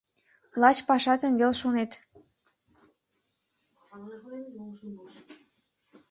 Лач пашатым вел шонет.